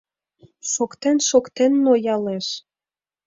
Шоктен-шоктен ноялеш.